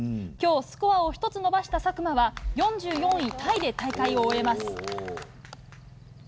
今日、スコアを１つ伸ばした佐久間は４４位タイで大会を終えます。